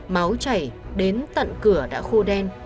máu chảy đến tận cửa đã khô đen